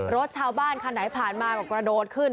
รถชาวบ้านคันไหนผ่านมาก็กระโดดขึ้น